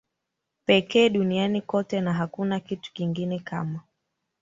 pekee duniani kote na hakuna kitu kingine kama